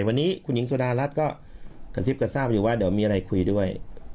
วันนี้คุณหญิงสุดารัฐก็กระซิบกระทราบอยู่ว่าเดี๋ยวมีอะไรคุยด้วย